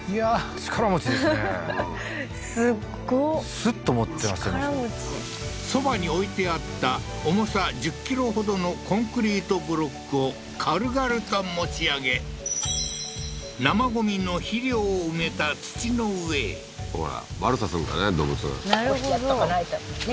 力持ちそばに置いてあった重さ１０キロほどのコンクリートブロックを軽々と持ち上げ生ゴミの肥料を埋めた土の上へ悪さするからね